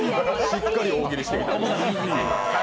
しっかり大喜利してきた。